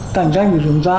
cạnh tranh của chúng ta